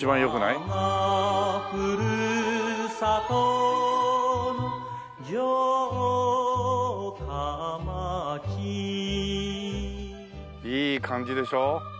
いい感じでしょ？